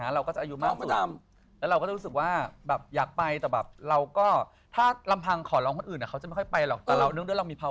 เราก็รู้สึกว่าแบบอยากไปจำเป็นว่าเรามี